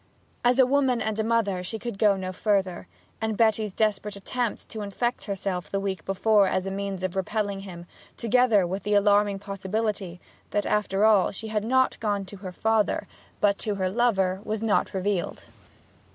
As a woman and a mother she could go no further, and Betty's desperate attempt to infect herself the week before as a means of repelling him, together with the alarming possibility that, after all, she had not gone to her father but to her lover, was not revealed.